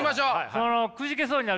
このくじけそうになる。